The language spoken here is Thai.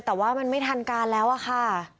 แต่ว่ามันไม่ทันการแล้วอะค่ะ